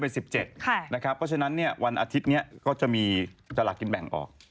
เพราะฉะนั้นวันอาทิตย์นี้ก็จะมีตลาดกินแบ่งออก